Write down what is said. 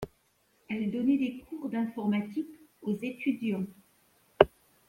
Elle donnait des cours d’informatique aux étudiants.